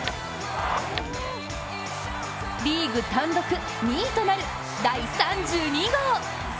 リーグ単独２位となる第３２号。